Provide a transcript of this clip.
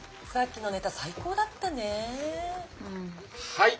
はい！